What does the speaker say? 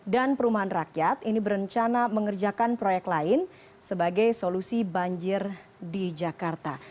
dan perumahan rakyat ini berencana mengerjakan proyek lain sebagai solusi banjir di jakarta